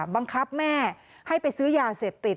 แม่ให้ไปซื้อยาเสพติด